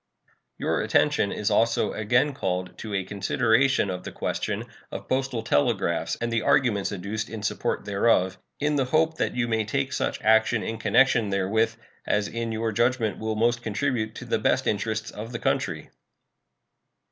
Your attention is also again called to a consideration of the question of postal telegraphs and the arguments adduced in support thereof, in the hope that you may take such action in connection therewith as in your judgment will most contribute to the best interests of the country.